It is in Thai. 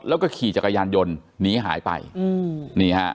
แล้วก็ขี่จักรยานยนต์หนีหายไปอืมนี่ฮะ